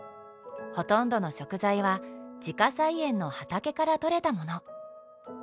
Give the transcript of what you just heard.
ほとんどの食材は自家菜園の畑から取れたもの。